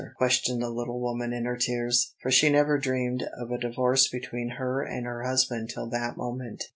questioned the little woman in her tears, for she never dreamed of a divorce between her and her husband till that moment.